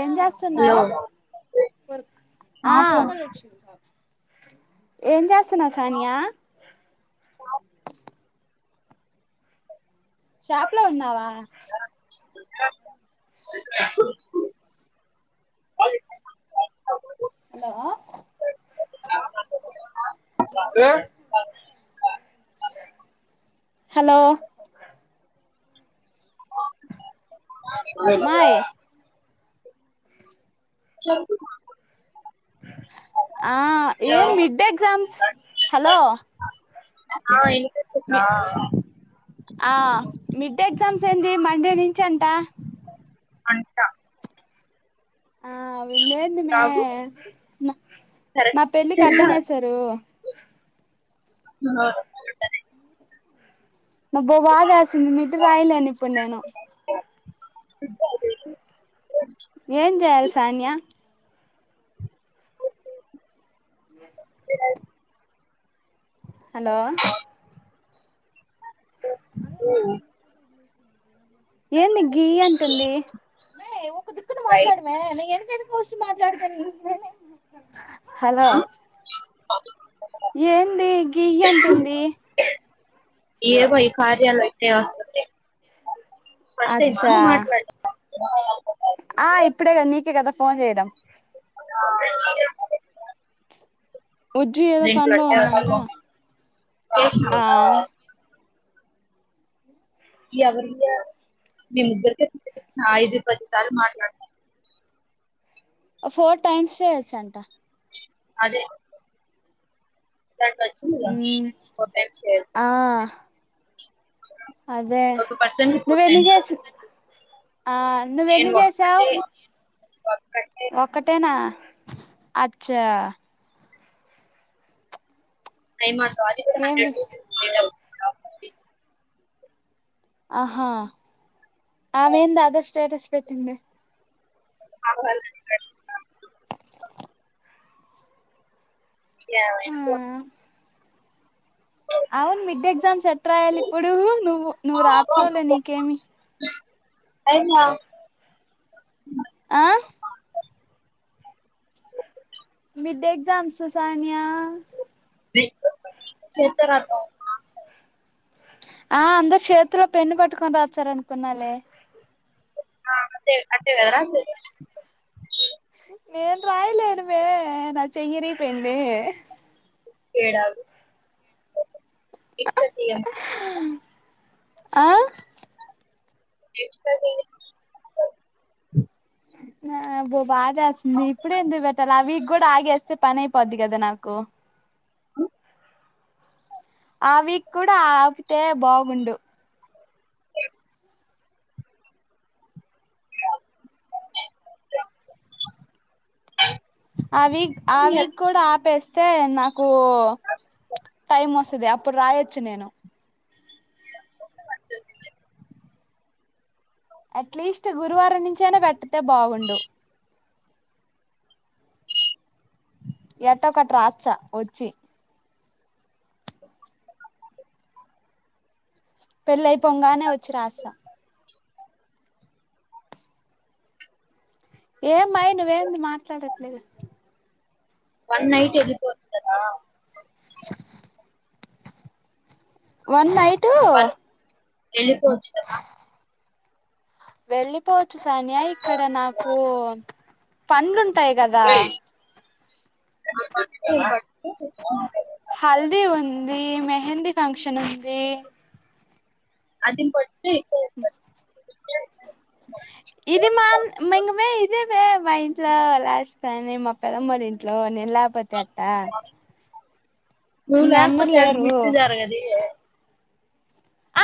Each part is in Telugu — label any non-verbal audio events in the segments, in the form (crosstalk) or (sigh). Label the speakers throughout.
Speaker 1: ఏం
Speaker 2: హలో
Speaker 1: చేస్తున్నావు ఆ ఏం చేస్తున్నావు సానియా షాప్ లో ఉన్నావా
Speaker 2: బాయి
Speaker 1: హలో
Speaker 2: ఏ
Speaker 1: హలో మాయ్
Speaker 2: (inaudible) చెంపుమా
Speaker 1: ఆ ఏం మిడ్డే ఎగ్జమ్స్ హలో
Speaker 2: ఆ
Speaker 1: మి
Speaker 2: ఇనిపిస్తుందా
Speaker 1: ఆ మిడ్డే ఎగ్జామ్స్ ఏంది మండే నుంచి అంట
Speaker 2: అంట
Speaker 1: ఆ విల్లెంది మే నా
Speaker 2: కరెక్ట్
Speaker 1: పెళ్ళికి
Speaker 2: గా
Speaker 1: అడ్డం వేశారు
Speaker 2: నహ
Speaker 1: నా బో బగా ఏసింది మిద్దు రాయలేను ఇప్పుడు నేను
Speaker 2: (unintelligible)
Speaker 1: ఏం చేయాలి సానియా జి ఎస్
Speaker 2: అ
Speaker 1: హలో
Speaker 2: ఉమ్
Speaker 1: ఏంది గి అంటుంది
Speaker 2: రైట్
Speaker 1: హలో ఏంది గియ్య అంటుంది
Speaker 2: ఏవో ఈ కార్యాలో ఇట్టే వస్తుంది ఫస్ట్ టైమ్ ఆ
Speaker 1: అచ్చా
Speaker 2: నువ్ మాట్లాడం
Speaker 1: ఆ ఇప్పుడే కదా నీకే కదా ఫోన్ చేయడం
Speaker 2: అ
Speaker 1: ఉజ్జు ఏదో పనిలో
Speaker 2: అట్టే
Speaker 1: ఉందంట
Speaker 2: వస్తుంది.
Speaker 1: ఆ
Speaker 2: చేసినావా? ఎవరి యా మీ ముగ్గురిక ఐదు పదిసార్లు మాట్లాడత
Speaker 1: ఫోర్ టైమ్స్ ఎ చేయచ్చంట
Speaker 2: అదే దాంట్లో వచ్చింది గా
Speaker 1: మ్మ్
Speaker 2: ఫోర్ టైమ్స్ చెయ్యొచ్చు అని
Speaker 1: ఆ అదే
Speaker 2: ఒక పర్సన్ కి ఫోర్
Speaker 1: నువ్వెన్ని
Speaker 2: టైమ్స్
Speaker 1: చేస్ ఆ నువ్వెన్ని
Speaker 2: నేను
Speaker 1: చేసావు
Speaker 2: ఒక్కటే ఒక్కటే
Speaker 1: ఒక్కటేనా అచ్చా
Speaker 2: టైమా అది (unintelligible)
Speaker 1: ఏం విష్
Speaker 2: హండ్రెడ్
Speaker 1: ఆహా ఆమెంద అదే స్టేటస్ పెట్టింది
Speaker 2: ఆమె వల్లనే పే యావైన ఫోన్
Speaker 1: అవును మిడ్డే ఎగ్జామ్స్ ఎట్రా రాయ్యాలి ఇప్పుడు నువ్వు నువ్వు రాచ్చావ్ లే నీకేమి
Speaker 2: అయినా
Speaker 1: ఆ మీడ్ ఎగ్జామ్స్ సానియా
Speaker 2: దే చెత్తో రా
Speaker 1: ఆ అందరు చేతిలో పెన్ను పట్టుకొని రాచ్చార అనుకున్నాలే
Speaker 2: అ అట్టే అట్టే కదా రాసేది
Speaker 1: నేను రాయలేనుమే నా చెయ్యి ఇరిగిపోయింది
Speaker 2: ఎడవగు ఎక్సట్రా చెయ్యన్న
Speaker 1: ఆ
Speaker 2: ఎక్సట్రా చెయ్
Speaker 1: నాగు బాదేస్తుంది ఇప్పుడే ఎందుకు పెట్టాలి అ వీక్ కూడా ఆగేస్తే పని అయిపోద్ది కదా నాకు ఆ విక్ కూడా ఆపితే బాగుండు ఆవిక్ ఆ వీక్
Speaker 2: అది
Speaker 1: కూడా ఆపేస్తే నాకు టైం వస్తది అప్పుడు రాయొచ్చు నేను అట్లీస్ట్ గురువారం నుంచైనా పెట్టతే బాగుండు ఎట్ట కటు రాచ్చా వచ్చి పెళ్ళయిపోగానే వచ్చి రాసా ఏమ్మాయినవ్వే మాట్లాడట్లేదు
Speaker 2: వన్ నైట్ వెళ్లిపోవచ్చు కదా
Speaker 1: వన్ నైటు
Speaker 2: వెళ్ళిపోచ్చుకదా
Speaker 1: వెళ్ళిపోవచ్చు సానియా ఇక్కడ నాకు పండ్లుంటు తాయి కదా హల్ది ఉంది మెహందీ ఫంక్షన్ ఉంది
Speaker 2: అదిం పట్టి
Speaker 1: ఇది మా ఇకమే ఇదే మా ఇంట్లో రాస్తా మా పెదమ్మల ఇంట్లో నే పతి ఎట్ట
Speaker 2: నువ్వు లేకపోతే ఆడు గుట్ జారుగద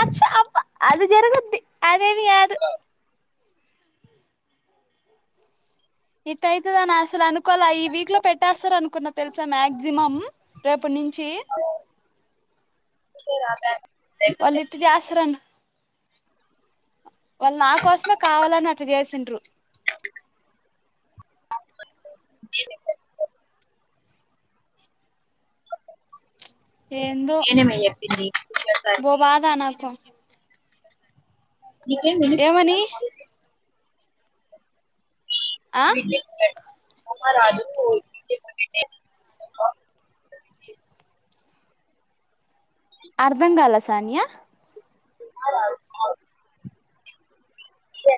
Speaker 1: అచ్చ అబా అది జరుగుది అదేమి కాదు ఇట్ అయితదని అసలు అనుకోల ఈ వీక్ లో పెట్టేస్తారు అనుకున్న తెలుసా మాక్సిమం రేపు ప్ నుంచి
Speaker 2: రా బా
Speaker 1: అనిటికీ ఆసరణ వాళ్ళు నా కోసమే కావాలని అటు చేసింట్రు ఎందో
Speaker 2: నేనేమే చెప్పింది
Speaker 1: బ
Speaker 2: సార్కి
Speaker 1: బాధనకు
Speaker 2: నీకేం వినిపిస్తుందా
Speaker 1: ఏమని ఆ
Speaker 2: అమ్మ రాధు (unintelligible)
Speaker 1: అర్ధం కాల సానియా
Speaker 2: అ ఏ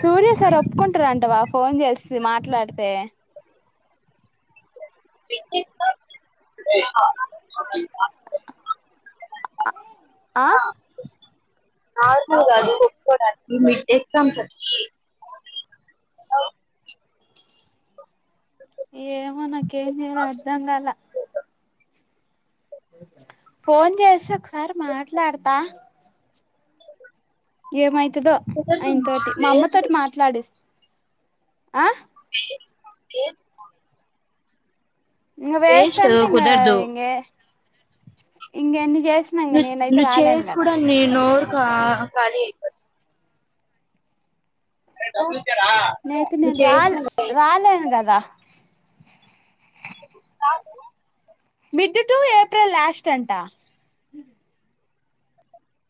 Speaker 1: సూర్య సార్ ఒప్పుకుంటారంటావా ఫోన్ చేసి మాట్లాడితే
Speaker 2: బిడ్డకి
Speaker 1: ఆ
Speaker 2: మిడ్డ ఎజామ్స్
Speaker 1: ఏమో నాక్ ఏంచేయాలో అర్ధం గాలా ఫోన్ చేసి ఒకసారి మాట్లాడతా ఏమైతుదో
Speaker 2: కుదరదు
Speaker 1: ఆయన తోటి మా అమ్మ
Speaker 2: వేస్ట్
Speaker 1: తోటి మాట్లాడి ఆ
Speaker 2: వేస్ట్
Speaker 1: ఇంగా వేస్ట్ అంటే ఇంగా
Speaker 2: కుదరదు
Speaker 1: ఇంగా ఇంగా
Speaker 2: నువ్ నువ్వు చేసి కూడా నీ నోరు ఖాళీ అయిపోది అవును
Speaker 1: నేయితే నేను రాలే రాలేను కదా మిడ్ టు ఏప్రిల్ లాస్ట్ అంటా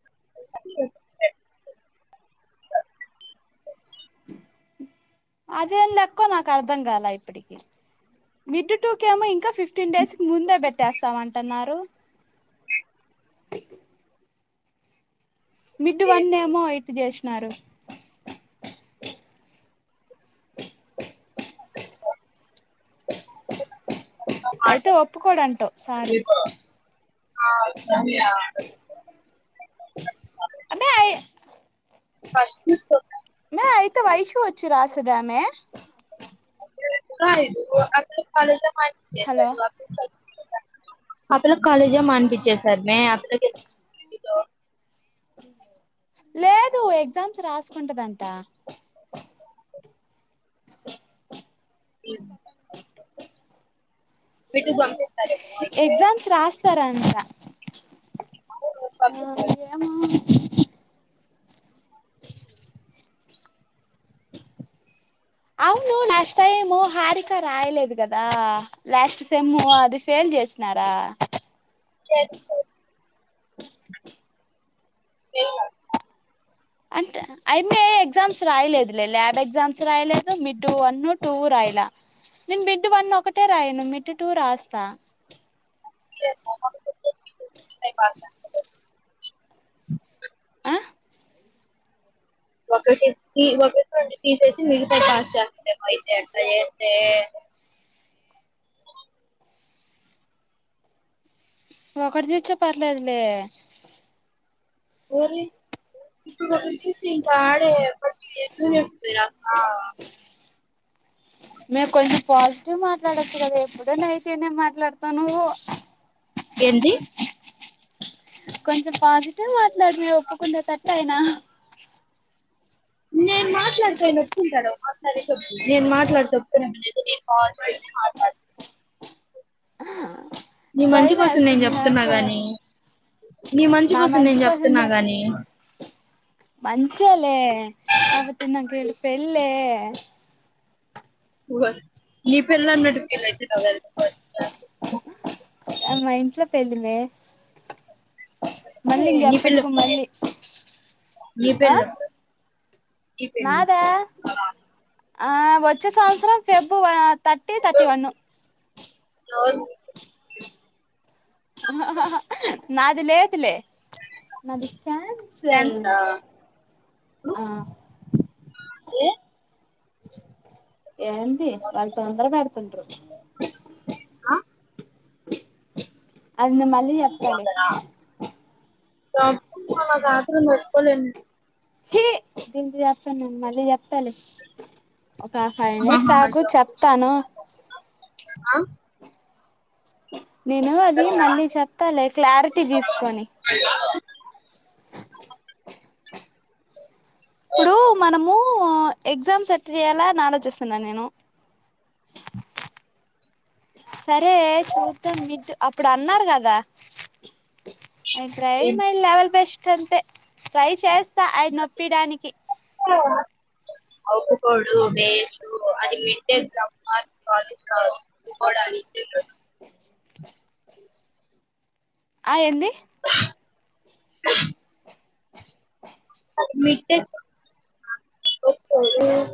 Speaker 2: (unintelligible)
Speaker 1: అదేం లెక్కో నాకు అర్ధం కాల ఇప్పటికి మిడ్ టూ కెమో ఇంకా ఫిఫ్టీన్ డేస్ ముందే పెట్టేస్తాం అంటన్నారు మిడ్ వన్ ఏమో ఇట్టా చేసి నారు అయితే ఒప్పుకోడు అంటావ్ సారు
Speaker 2: (unintelligible)
Speaker 1: అమ్మేయ్
Speaker 2: ఫస్ట్
Speaker 1: మే అయితు ఐషు వచ్చి రాసి తుదామే
Speaker 2: (inaudible)
Speaker 1: హలో
Speaker 2: ఆ పిల్ల కాలేజ్ మాన్పించేశారు మే ఆ పిల్ల (unintelligible)
Speaker 1: లేదు ఎగ్జామ్స్ రాసుకుంటదంట ఆ
Speaker 2: ఇ బిడ్డు పంపిస్తారు ఏమో అయితే
Speaker 1: ఎక్జామ్స్ రాస్తా రాంటా ఊ
Speaker 2: పంపిస్తారు
Speaker 1: ఏమో ఆ అవును లాస్ట్ టైము హారిక రాయలేదు కదా లాస్ట్ సెమ్ అది ఫేల్ చేసినారా
Speaker 2: చేస్తారు. తెలదు
Speaker 1: అంటే అయమ్మి ఎగ్జామ్స్ రాయలేదులే ల్యాబ్ ఎగ్జామ్స్ రాయలేదు మిడ్ వన్ టూ రాయలే నేను మిడ్ వన్ ఒకటే రాయను మిడ్ టూ రాస్తా
Speaker 2: (inaudible)
Speaker 1: ఆ
Speaker 2: ఆ (unintelligible) తీసేసి మిగతా చేస్తే అయితే ఆట్లా చేస్తే
Speaker 1: ఒకటి చుచ్చే పర్లేదులే
Speaker 2: ఓన్లీ (inaudible)
Speaker 1: మే కొంచెం పాజిటివ్ మాట్లాడొచ్చు కదే ఎప్పుడు నెగిటివ్ మాట్లాడుతా నువ్వు
Speaker 2: ఏంది
Speaker 1: కొంచెం పాజిటివ్ మాట్లాడమే ఒప్పుకుంటే తట్ అయినా
Speaker 2: నేను మాట్లాడితే నొప్పి ఉంటదో సరే చెప్పు నేను మాట్లాడతే ఓప్పుకునే లేదు నేను కాల్ చేసి మాట్లాడుత నీ మంచి
Speaker 1: భయం
Speaker 2: కోసం నేను
Speaker 1: వేస్తుంది
Speaker 2: చెప్తున్నా
Speaker 1: నాకు
Speaker 2: గాని నీ మంచి కోసం నేను చెప్తున్నా గాని
Speaker 1: మంచి లే కాకపోతే నాకి ఈడ పెళ్ళే
Speaker 2: ఓస్ నీ పెళ్లి అన్నట్టు పిలైతున్నవ్ కదే (unintelligible)
Speaker 1: అ మ ఇంట్లో పెళ్లి మే మళ్ళి ఇంగ
Speaker 2: ఏ, నీ పెళ్ళి
Speaker 1: ఏప్పటికో
Speaker 2: ఎప్పుడు?
Speaker 1: మళ్ళీ
Speaker 2: నీ
Speaker 1: ఆ
Speaker 2: పెళ్ళి ఎప్పుడు? నీ పెళ్లి
Speaker 1: నాదా
Speaker 2: (unintelligible)
Speaker 1: ఆ వచ్చే సంవత్సరం పెబ్ థర్టీ తథర్టీ వన్
Speaker 2: నోరు మూసుకో
Speaker 1: నాది లేదులే నాది క్యాన్సల్
Speaker 2: థ్యాంక్స్ రా
Speaker 1: ఆ
Speaker 2: ఏ
Speaker 1: ఆ ఏంది వాళ్ళు తొందర పెడుతుండ్రు
Speaker 2: ఆ
Speaker 1: అయిన మళ్ళీ చెప్తాలే
Speaker 2: చెప్పు మళ్ళా ఆత్రం తట్టుకోలేను
Speaker 1: చీ దీనికి చెప్పాను మళ్ళీ చెప్తాలే ఒక ఫైవ్ మినిట్స్ ఆగు చెప్తాను నేను అది మళ్ళీ చెప్తాలి క్లారిటీ తీసుకొని. ఇప్పుడు మనము. ఎగ్జామ్ సెట్ చేయాల ఆలోచిస్తున్నాను నేను. సరే చూద్దాం మిట్ అప్పుడు అన్నారు కదా. అ ట్రై మై లెవెల్ బెస్ట్ అంతే ట్రై చేస్త. (unintelligible)
Speaker 2: ఒప్పుకోడు లేదు అది (unintelligible) ఒప్పుకోవడానికి
Speaker 1: (inaudible) ఆ ఏంది
Speaker 2: మిడ్ కు ఒకసారి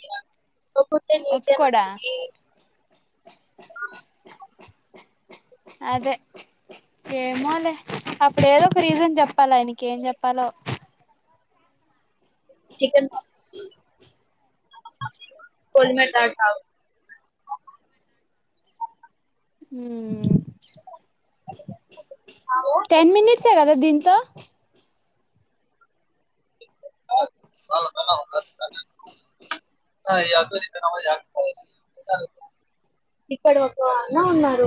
Speaker 2: (inaudible) చొప్పుంటే నీకే
Speaker 1: ఒప్పుకోడా
Speaker 2: మంచిది
Speaker 1: అదే ఏమోలే అప్పుడు ఏదో ఒక రీజన్ చెప్పాల. ఆయనకి ఏం చెప్పాలో?
Speaker 2: చికెన్పపాక్స్ పొలిమేర దాటి రావు.
Speaker 1: మ్ టెన్ మినిట్సే కదా దీంట్లో
Speaker 2: వాళ్ళ
Speaker 1: (inaudible)
Speaker 2: (unintelligible) ఇక్కడ ఒక లా ఉన్నారు.